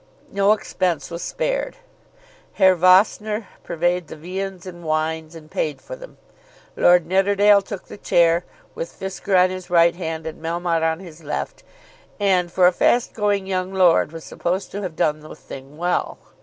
No expense was spared. Herr Vossner purveyed the viands and wines, and paid for them. Lord Nidderdale took the chair, with Fisker on his right hand, and Melmotte on his left, and, for a fast going young lord, was supposed to have done the thing well.